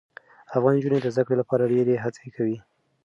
افغان نجونې د زده کړې لپاره ډېره هڅه کوي.